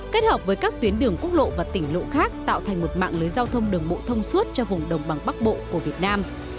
kết hợp với các tuyến đường quốc lộ và tỉnh lộ khác tạo thành một mạng lưới giao thông đường bộ thông suốt cho vùng đồng bằng bắc bộ của việt nam